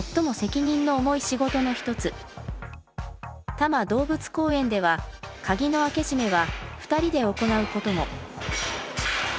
多摩動物公園では鍵の開け閉めは２人で行うことも。